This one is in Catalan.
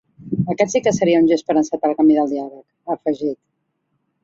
Aquest sí que seria un gest per encetar el camí del diàleg, ha afegit.